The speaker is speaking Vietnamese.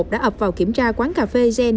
đã ập vào kiểm tra quán cà phê gen